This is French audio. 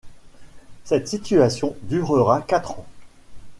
Cette situation durera quatre ans.